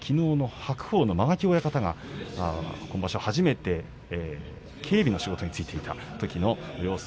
白鵬の間垣親方が初めて警備についていたときの様子。